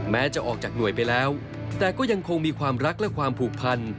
แม้จะออกจากหน่วยไปแล้วแต่ก็ยังคงมีความรักและความผูกพัน